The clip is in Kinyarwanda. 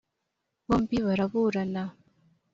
bombi baraburana